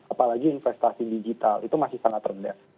apalagi investasi digital itu masih sangat rendah